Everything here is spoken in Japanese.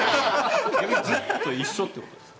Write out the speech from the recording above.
ずっと一緒ってことですか？